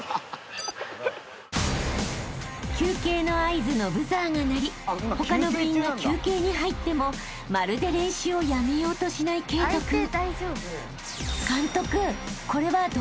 ［休憩の合図のブザーが鳴り他の部員が休憩に入ってもまるで練習をやめようとしない慧登君］